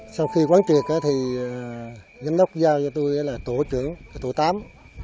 sau khi quán triệt thì giám đốc giao cho tôi là tổ trưởng tổ tám